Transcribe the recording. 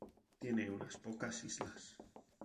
Tiene una pocas islas.